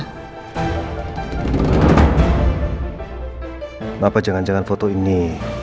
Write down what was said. kenapa jangan jangan foto ini